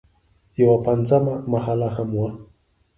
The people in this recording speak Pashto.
یوه پنځمه محله هم وه.